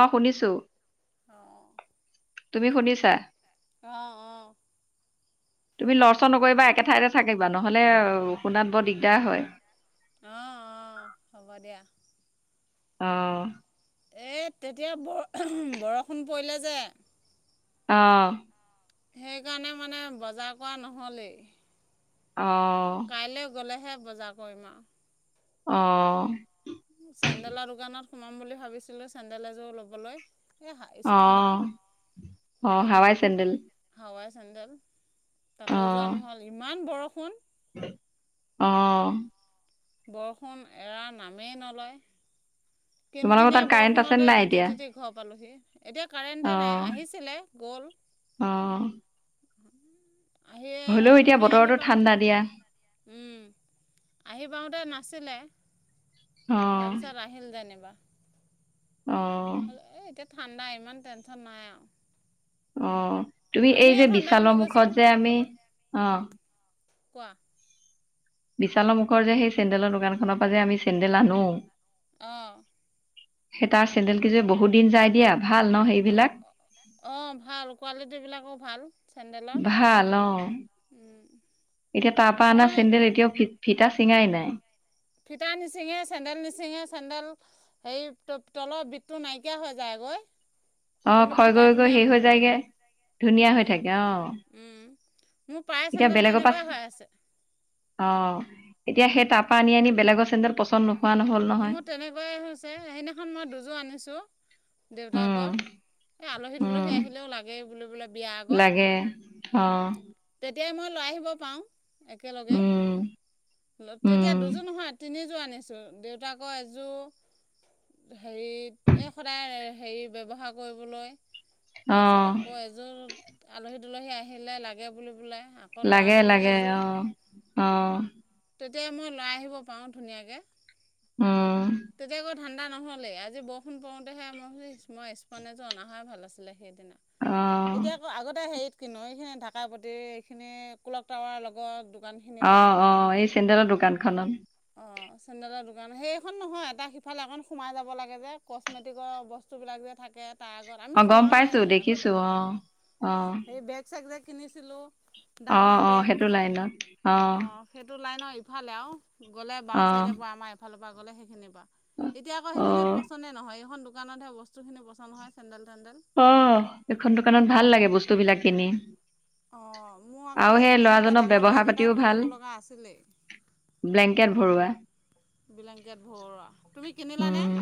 অ শুনিছো। অ তুমি শুনিছা? অঁ অঁ তুমি লৰচৰ নকৰিবা, একে ঠাইতে থাকিবা নহ'লে শুনাত বৰ দিগদাৰ হয়। অ অ হ'ব দিয়া। অ এই তেতিয়া ব বৰষুণ পৰিলে যে অ সেইকাৰণে মানে বজাৰ কৰা নহ'লেই। অ কাইলৈ গ'লেহে বজাৰ কৰিম আৰু। অ চেণ্ডেলৰ দোকানত সোমাম বুলি ভাবিছিলো চেণ্ডেল এযোৰ ল'বলৈ! এই অ স্পন আৰু অ হাৱাই চেণ্ডেল? হাৱাই চেণ্ডেল অ তাতোও যোৱা নহ'ল। ইমান বৰষুণ! ! অ বৰষুণ এৰাৰ নামেই নলয়, কিন তোমালোকৰ তাত কিনিয়ীয়া কাৰেণ্ট আছে নে বৰষুণতে নাই তিতি এতিয়া তিতি ঘৰ পালোহি এতিয়া অ কাৰেণ্টে নাই। আহিছিলে গ'ল। অ আহি হ'লেও এতিয়া আমি আহি বতৰটো পাওঁতে ঠাণ্ডা দিয়া উম আহি পাওঁতে নাছিলে। অ তাৰ পিছত আহিল যেনিবা! অ হল এ এতিয়া ঠাণ্ডা ইমান টেনচন নাই আৰু। অ তুমি এই আমিয়ে যে ঠাণ্ডা বুলি বিশালৰ কৈছোঁ মুখত যে আমি অ কোৱা বিশালৰ মুখৰ যে সেই চেন্দেলৰ দোকানখনৰ পৰা যে আমি চেন্দেল আনো অঁ সেই তাৰ চেন্দেল কেইযোৰে বহুত দিন যায় দিয়া ভাল ন সেইবিলাক? অঁ ভাল কোৱালিটিবিলাকো ভাল। চেণ্ডেলৰ ভাল অ উম, এতিয়া তাপা অনা মই চেণ্ডেল এতিয়াও ফিতা চিঙাই নাই। ফিতা নিচিঙে চেণ্ডেল নিচিঙে চেণ্ডেল হেৰি তলৰ বিধটো নাইকিয়া হৈ যায়গৈ অ কিন্তু খয় ফিটা গৈ গৈ ধুনীয়া শেষ হৈ থাকে যায়গে ধুনীয়া হৈ উম, থাকে অ উম মোৰ পায়ে এতিয়া চেণ্ডেল বেলেগৰ পা তেনেকুৱাই হৈ আছে অ এতিয়া সেই তাৰপাৰ আনি আনি বেলেগৰ চেন্দেল পচন্দ নহয় নহল মোৰ তেনেকুৱাই হৈছে সেইদিনাখন মই দুযোৰ আনিছোঁ উম দেউতাকৰ এই আলহী উম দোলহী আহিলেও লাগে বো বোলে বিয়া আগত লাগে অ তেতিয়াই মই লৈ আহিব পাৰোঁ একেলগে উম তেতিয়া উম দুযোৰ নহয় তিনিযোৰ আনিছোঁ দে তাকৌ এযোৰ হেৰিত এই সদায় হেৰি ব্যৱহাৰ কৰিবলৈ! অ তাৰ পিছত আকৌ এযোৰ আলহী দুলহি আহিলে লাগে বুলি বোলে লাগে লাগে অ অ তেতিয়া মই লৈ আহিব পাৰোঁ ধুনীয়াকৈ। উম তেতিয়া আকৌ ঠাণ্ডা নহ'লেই আজি বৰষুণ পৰোঁতেহে মই মই স্পন এযোৰ অনা হয় ভাল আছিলে সেইদিনা অ এতিয়া আগতে হেৰিত কিনো এইখিনি ঢাকা পতি এইখিনি কুলক টাৱাৰ লগত অ অ এই চেন্দেলৰ দোকানখনত অ চেণ্ডেলৰ দোকান সেইখন নহয় এটা সিফালে এখন সোমাই যাব লাগে যে কচমেটিকৰ বস্তু বস্তুবিলাক যে থাকে তাৰ আগত আমি অ গম সোমাওঁৱে পাইছো দেখিছো আগতে অ অ সেই বেগ বেগ জেগ কিনিছিলোঁ অ ডাঙৰ অ বেগ সেইটো লাইনত অ সেইটো লাইনৰ ইফালে আৰু গ'লে অ বাওঁ চাইডৰ পৰা আমাৰ ইফালৰ পৰা গ'লে সেইখিনিৰ পৰা এতিয়া আকৌ অ সেইখিনিত পচন্দে নহয় এইখন দোকানতহে বস্তু খিনি পচন্দ হয় চেন্দেল তেন্দেল অ এইখন দোকানত ভাল লাগে বস্তুবিলাক কিনি অঁ মোৰ আকৌ আৰু সেই তেনেকুৱা ল'ৰাজনৰ ডাঙৰ ব্যৱহাৰ বেগ পাতিও এটাও ভাল কিনিব লগা আছিলেই ব্লেংকেট ভৰোৱা বলেংকেট ভৰোৱা তুমি কিনিলানে উম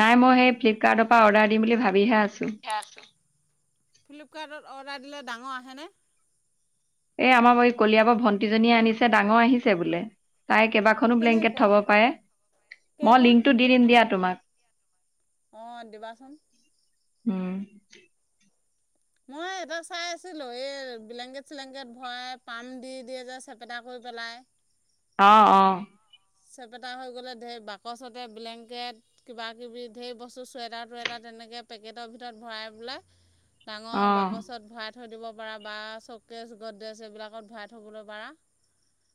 নাই মই সেই ফ্লিপকাৰ্টৰ পৰা অৰ্ডাৰ দিম বুলি ভাবিহে আছো ফ্লিপকাৰ্টত অৰ্ডাৰ দিলে ডাঙৰ আহেনে এ আমাৰ এই কলিয়াবৰ ভণ্টিজনীয়ে আনিছে ডাঙৰ আহিছে বোলে তাই কেইবা খনো ব্লেংকেট কেনেকুৱা থব পাৰে মই কেইখন লিংকতটো দি দিম দিয়া তোমাক অঁ দিবাচোন উম মই এটা চাই আছিলোঁ এই ব্লেংকেট চলেংকেট ভৰাই পাম দি দিয়ে যে চেপেটা কৰি পেলাই অঁ অঁ চেপেটা হৈ গ'লে ধেৰ বাকচতে ব্লেংকেট কিবা কিবি ঢেৰ বস্তু চুৱেটাৰ টুৱেটাৰ তেনেকৈ পেকেটৰ ভিতৰত ভৰাই পেলাই অ ডাঙৰ বাকচত ভৰাই থৈ দিব পাৰা বা চকেজ গড্ৰেজ এইবিলাকত ভৰাই থ'বলৈ পাৰা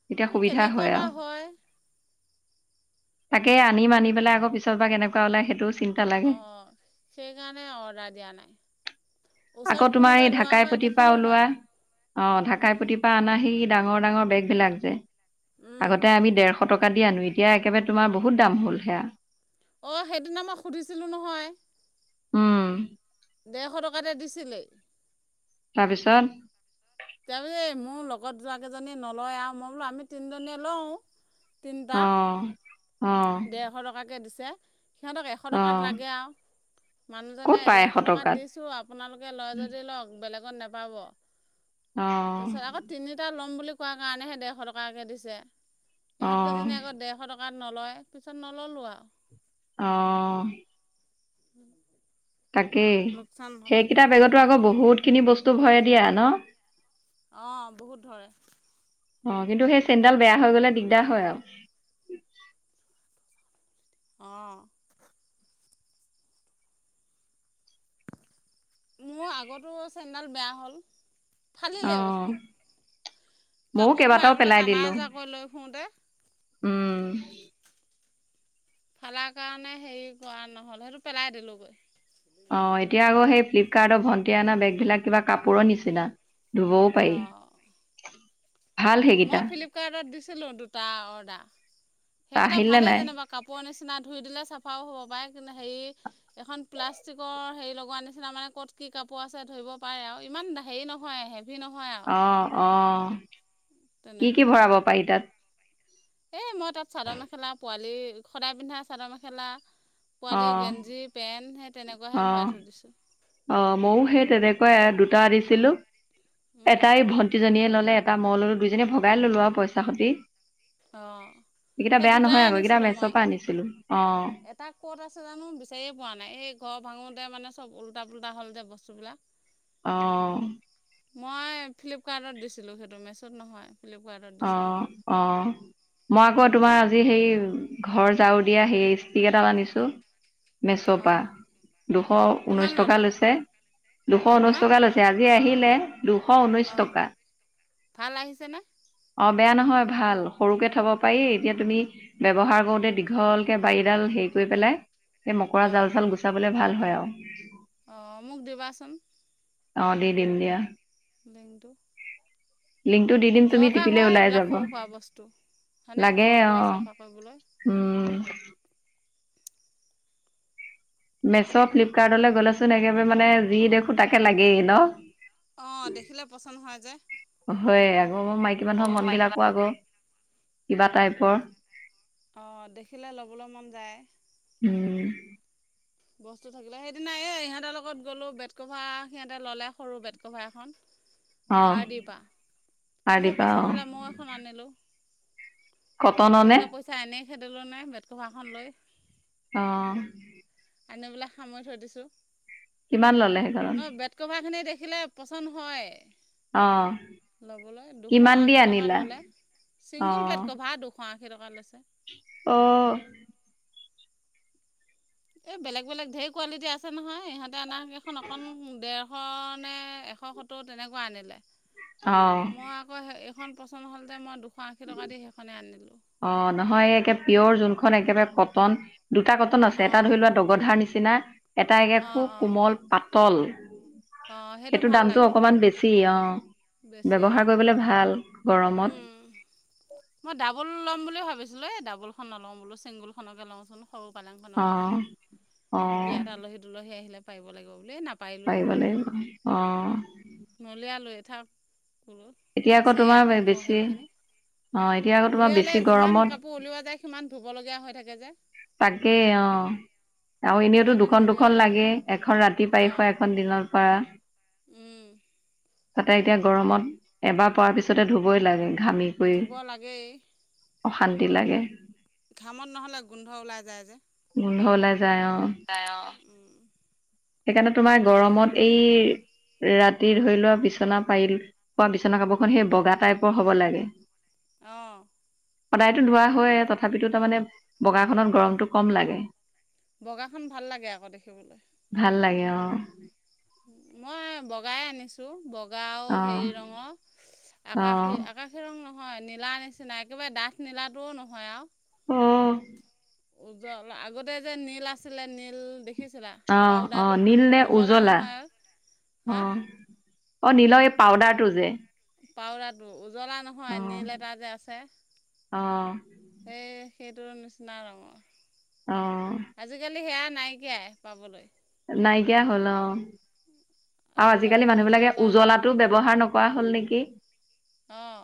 তেতিয়া সুবিধা কেনেকুৱা হয় আৰু বা হয় তাকে আনি মানি পেলাই আকৌ পিছত বা কেনেকুৱা ওলাই সেইটো চিন্তা লাগে অঁ সেইকাৰণে অৰ্ডাৰ দিয়া নাই ওচৰত আকৌ তোমাৰ কোনোবাই এই লোৱা ঢাকাই হয় পতি পৰা দেখিলোঁ হয় ওলোৱা অ ঢাকাইপতি আনা সি ডাঙৰ ডাঙৰ বেগ বিলাক যে আগতে আমি দেৰশ এশ টকা দি আনো এতিয়া একেবাৰে তোমাৰ বহুত দাম হ'ল সেয়া অঁ সেইদিনা মই সুধিছিলোঁ নহয় উম ডেৰশ টকাতে দিছিলে তাৰপিছত। তাৰপিছত এই মোৰ লগত যোৱাকেইজনীয়ে নলয় আৰু মই বোলো আমি তিনিজনীয়ে লওঁ। তিনটা। অ অ। স টকাকে দিছে সিহঁতক এশ অ টকাকে লাগে আও। মানুহজনে ক'ত পায় এশ ডেৰশ টকাত দিছোঁ আপোনালোকে লয় যদি লওক বেলেগত নপাব। অ তাৰপিছত আকৌ তিনিটা ল'ম বুলি কোৱা কাৰণেহে ডেৰশ টকাকে দিছে। অ ইহঁতকেইজনী আকৌ ডেৰশ টকাত নলয় পিছত নললো আৰু। অ। উওম। তাকেই সেইকেইটা বেগতো আকৌ বহুত খিনি বস্তু ভৰাই দিয়া ন। অঁ বহুত ধৰে। অ কিন্তু সেই চেণ্ডাল বেয়া হৈ গ'লে দিগদাৰ হয় আৰু। অ। মোৰ আগতো চেইন ডাল বেয়া হ'ল। অ ফালিলেও ময়ো কাপোৰ কেইবাটাও ভৰাই পেলাই টানা দিলো আজোৰাকৈ লৈ ফুৰোঁতে। উম। ফালাৰ কাৰণে হেৰি কৰা নহ'ল সেইটো পেলাই দিলোঁগৈ। অ এতিয়া আকৌ সেই ফ্লিপকাৰ্টৰ ভণ্টি অনা বেগ বিলাক কিবা কাপোৰৰ নিচিনা। ধুবও পাৰি। অঁ ভাল মই সেইকেইটা ফ্লিপকাৰ্টত দিছিলোঁ দুটা অৰ্ডাৰ সেইকেইটা আহিলে ভালে নাই যেনিবা। কাপোৰৰ নিচিনা ধুই দিলে চাফাও হ'ব পাৰে কিন্তু হেৰি। এখন প্লাষ্টিকৰ হেৰি লগোৱা নিচিনা মানে ক'ত কি কাপোৰ আছে ধৰিব পাৰে আৰু ইমান হেৰি নহয়েই। সি নহয় আৰু। অ অ কি কি তেনেকুৱা ভৰাব পাৰি তাত। এই মই তাত চাদৰ মেখেলা পোৱালি সদায় পিন্ধা চাদৰ মেখেলা। অ পোৱালি গেঞ্জী পেণ্ট সেই তেনেকুৱাহে অ ভৰাই থৈ দিছোঁ। অ ময়ো সেই তেনেকুৱাই দুটা দিছিলো এটাই ভন্টিজনীয়ে ললে। এটা মললো দুজনী ভগাই ললো আৰু পইচা সুতি। অঁ এইকেইটা সেই বেয়া দুটাই নহয় আকৌ এইকেইটা মেচৰ পৰা আনিছিলো অ। তাক ক'ত আছে জানো বিচাৰিয়ে পোৱা নাই এই ঘৰ ভাঙোঁতে মানে চব ওলটা পুল্টা হ'ল যে বস্তুবিলাক। অ। মই ফ্লিপকাৰ্টত দিছিলোঁ সেইটো মেচত নহয়। হেলেকোৱা এটাত। অ অ মই আকৌ তোমাৰ আজি হেই। ঘৰ যাও দিয়া সেই ষ্টিক এটা আনিছো। মেচপা অঁ দুশ কিমান ঊনৈশ টকা ল'লে লৈছে দুশ ঊনৈশ কিমান টকা লৈ। ছে আজি আহিলে দুশ ঊনৈছ অঁ টকা। ভাল আহিছেনে। অ বেয়া নহয় ভাল সৰুকে থব পাৰি এতিয়া তুমি। ব্যৱহাৰ কৰোতে দীঘলকে বাৰীডাল হেৰি কৰি পেলাই। সে মকৰা অঁ জাল চাল গুচাবলে ভাল হয় আৰু। অঁ মোক দিবাচোন। অ দি দিম দিয়া। লেংডো। লিংকটো দিম তুমি দি হয় এইবিলাক সৰু হোৱা বস্তু। হয়নে ঘৰ দুৱাৰ চাফা কৰিবলৈ উম মেছ' ফ্লিপকাৰ্টলৈ গ'লেচোন একেবাই মানে যি দেখো তাকে লাগেই ন। অঁ দেখিলে পচন্দ হয় যে হয় আকৌ ম মাইকী মানুহৰ মন বিলাকো আকৌ কিবা টাইপৰ। অঁ দেখিলে ল'বলৈ মন যায়। উম। বস্তু থাকিলে সেইদিনা এ ইহঁতৰ লগত গ'লো বেড কভাৰ সিহঁতে ল'লে সৰু বেড কভাৰ এখন। [inaudible] আৰদি পা শাৰ মোৰ দিবা অ পচন্দ হ'লে মই এখন আনিলোঁ। কটনৰ নে সেইকেইটা পইচা এনেই খেদালো নাই বেট কভাখন লৈ। অঁ। আনিবেলৈ সামৰি থৈ দিছোঁ। কিমান ললে সেইখনত? কভাৰখনি দেখিলে পচন্দ হয়। অঁ। ল'বলৈ দুশ আশী টকা ল'লে। অ ছিংগুল বেড কভাৰ দুশ আশী টকা লৈছে। অঁ। এই বেলেগ বেলেগ ঢেই কোৱালিটি আছে নহয় ইহঁতে আনাৰ কেইখন অকন দেৰ শ নে এশ সত্তৰ তেনেকুৱা আনিলে। অঁ। মই আকৌ সেই এইখন পচন্দ হ'লযে মই দুশ আশী টকা দি সেইখনেই আনিলোঁ। অঁ, নহয় একে পিয়ৰ যোনখন একেবাৰে কটন দুটা কটন আছে এটা অঁ ধৰি লোৱা দগধাৰ নিচিনা, এটা একে অঁ খোব অঁ কোমল পাতল। অঁ সেইটো ভাল দামতটো লাগে অকমান বেছি অঁ, বেছি ব্যৱহাৰ অঁ কৰিবলে ভাল গৰমত। মই ডাবল ল'ম বুলি ভাবিছিলো। এই ডাবুলখন নলওঁ বোলো ছিংগুলখনকে লওঁচোনো। সৰু পালেংখনৰ অ কাৰণে, অ বিয়াত আলহী -দুলহী আহিলে পাৰিব লাগিব বুলিয়ে নাপ পাৰিব লাগিব অঁ। নলিয়া লৈ থাৱক। এতিয়া আকৌ তোমাৰ বেছি অঁ, এতিয়া আকৌ তোমাৰ বেছি গৰমত টো উলিওৱা যায় সিমান ধোব লগীয়া হৈ থাকে যে। তাকেই অঁ। আৰু এনেওটো সেইকাৰণে দুখন দুখন নুলিয়ালোৱে আৰু লাগেই। এখন ৰাতি পাৰি শুৱা এখন দিনৰ শুৱা। উম। তাতে এতিয়া গৰমত এবাৰ পৱাৰ পিছতে ধুবই লাগে ঘাঁমি ধোব লাগেই। অশান্তি লাগে। ঘাঁমত নহ'লে গোন্ধ ওলাই যায় যে। গোন্ধ ওলাই যায় অঁ। তাই অঁ। উম সেইকাৰণে তোমাৰ গৰমত হয় এই ৰাতি ধৰি লোৱা বিচনা পাৰি শুৱা বিচনা কাপোৰখন সেই বগা টাইপৰ হ'ব লাগে। অঁ সদায়তো ধোৱা হয়ে, তথাপিতো তাৰমানে বগাখনত গৰমটো কম লাগে। বগাখন ভাল লাগে আকৌ দেখিবলৈ। ভাল লাগে অ। উম মই বগাই আনিছোঁ, বগা আৰু অ হেৰি ৰঙৰ চি আকাশী আকাশ শিৰং নহয়, নীলা নিচিনা একেবাৰে ডাঠ নীলাটোও নহয় আৰু। অ। এই যলা আগতে যে নীল আছিলে নীল দেখিছিলা? অ অ, পাউদাৰটো নীল নে উজ্বলা উজলা নহয় অ? হা অঁ নীল এই পাউদাৰটো যে? পাউদাৰটো, উজ্বলা নহয় অ নীল এটা যে আছে? অ সেই সেইটো নিচিনা ৰঙৰ, অ আজিকালি সেয়া নাইকিয়াই। পাবলৈ। নাইকিয়া হ'ল অ। উম। আৰু আজিকালি মানুহবিলাকে উজ্বলাতো ব্যৱহাৰ নকৰা হল নেকি? অঁ।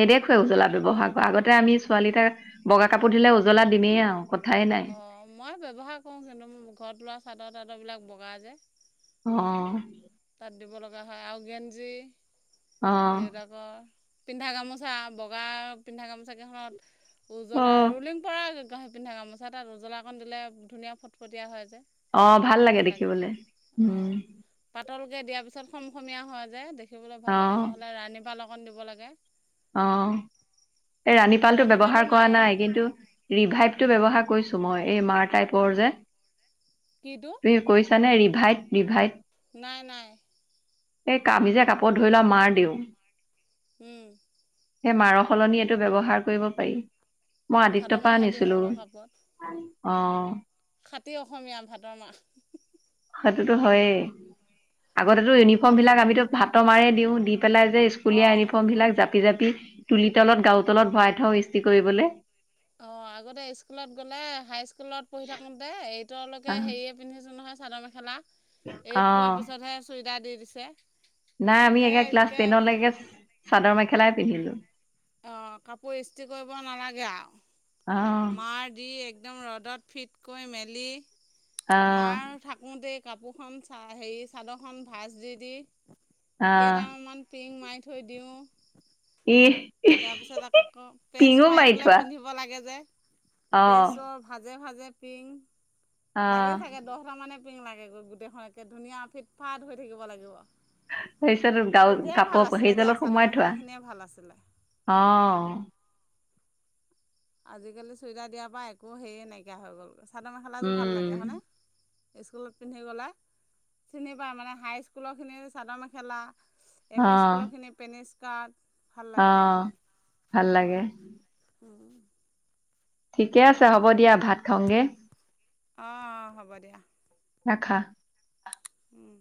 নেদেখুৱাই উজ্বলা ব্যৱহাৰ কৰা আগতে আমি ছোৱালীটাক বগা কাপোৰ ধুলে উজলা দিমেই আৰু কথাই নাই। অ, মই ব্যৱহাৰ কৰোঁ কিন্তু মোৰ ঘৰত লোৱা চাদৰ-তাদৰবিলাক বগা যে। অ তাত দিব লগা হয় আৰু গেঞ্জী, অ দেউতাক কৰ পিন্ধা গামোচা, বগা পিন্ধা গামোচাকেইখনত অ উজলা ৰুলিংপৰা ঘৰত পিন্ধা গামোচা তাত উজলাকণ দিলে ধুনীয়া ফটফটীয়া হয় যে। অ, ভাল লাগে দেখিবলে, উম। পাতলকে দিয়াৰ পিছত খমখমীয়া হৈ যায় দেখিবলৈ অ ভাল লাগে নহ'লে ৰাণীপাল অকণ দিব লাগে। অ, এই ৰাণীপালটো ৰাণী পালো ব্যৱহাৰ কৰা নাই কিন্তু ৰিভাইভটো ব্যৱহাৰ কৰিছোঁ মই, এই মাৰ টাইপৰ যে। কিটো? তুমি কৈছানে ৰিভাইভ ৰিভাইভ? নাই, নাই। সেই কামি যে কাপোৰ ধুই লৈ মাৰ দিওঁ উম। সেই মাৰৰ সলনি এইটো ব্যৱহাৰ কৰিব পাৰি। মই ভাদ আদিত্যৰপৰা মাহহে দিওঁ আকৌ কাপোৰত আনিছিলোগৈ। অ। খাতি অসমীয়া ভাতৰ মাৰ। সেইটোতো হয়েই। আগতেতো পানী ইউনিফৰ্মবিলাক অকণ আমিতো দি ভাতৰ মাৰে দিওঁ, দি পেলাই যে ইচ স্কুলীয়া অঁ ইউনিফৰ্মবিলাক জাপি - জাপি তুলি তলত গাৰু তলত ভৰাই থওঁ ইস্ত্ৰি কৰিবলৈ। অ, আগতে স্কুলত গ'লে, হাইস্কুলত পঢ়ি থাকোঁতে, এইটৰলৈকে হেৰি পিন্ধিছোঁ নহয় চাদৰ-মেখেলা। অ এইট পোৱাৰ পিছতহে চুৰিদাৰ দি দিছে। নাই, আমি সেই এই ক্লাছ একে টেনৰলৈকে চা চাদৰ-মেখেলাই পিন্ধিলো। অ, কাপোৰ ইস্ত্ৰি কৰিব নালাগে আৰু। অ মাৰ দি একদম ৰ'দত ফিটকৈ মেলি, অ মাৰ থাকোঁতে কাপোৰখন চা হেৰি চাদৰখন ভাজ দি দি, অ কেইটামান পিন মাৰি থৈ দিওঁ। ইহ! তাৰপিছত আকৌ প্ৰেছ মাৰিবলৈ থোৱা পিন্ধিব লাগে যে। অ প্ৰেছৰ ভাজে ভাজে পিং অ লাগে চাগে দহটা মানে পিং লাগেগৈ, গোটেইখন একে ধুনীয়া ফিট-ফাৰ্ট হৈ থাকিব লাগিব। তাৰপিছত গাৰু তেতিয়াই কাপোৰ ভাল আছিলে দিয়া, হেৰিডালত চাদৰ-মেখেলা খিনিয়ে ভাল আছিলে। অঁ। আজিকালি চুইজাৰ দিয়াৰ পৰা একো হেৰীয়ে নাইকিয়া হৈ গ'ল। চাদৰ-মেখেলাযোৰ ভাল উম লাগে হয়নে? স্কুলত পিন্ধি গ'লে, চিনি পায় মানে হাইস্কুলৰ খিনি যে চাদৰ-মেখেলা এম, অ ই, স্কুলৰখিনি পেন-স্কাৰ্ট, ভাল অ লাগে তেনেকে। ভাল লাগে উম্। ঠিকে আছে, হ'ব দিয়া। ভাত খাওঁগৈ! অঁ, অ, হ'ব দিয়া। খা। [unintelligible] উম্